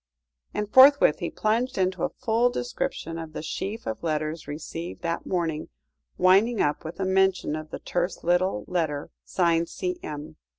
And forthwith he plunged into a full description of the sheaf of letters received that morning, winding up with a mention of the terse little letter signed "C.M."